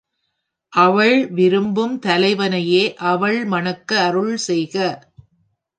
அவள் விரும்பும் தலைவனையே அவள் மணக்க அருள் செய்க!